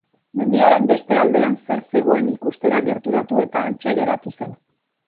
Mendiaren beste aldean zer zegoen ikustera gerturatu eta hantxe geratu zen.